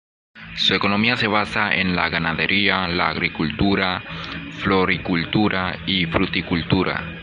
Su economía se basa en la ganadería, la agricultura, floricultura y fruticultura.